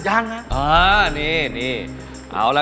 ยังนะ